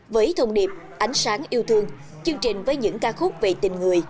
với thông điệp ánh sáng yêu thương chương trình với những ca khúc về tình người